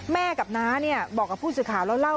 แม่กับน้าบอกกับผู้สื่อข่าวเล่า